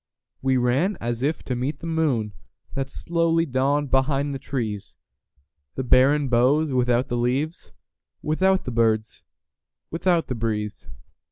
We ran as if to meet the moonThat slowly dawned behind the trees, The barren boughs without the leaves, Without the birds, without the breeze.